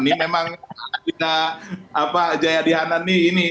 ini memang jayadi hanan ini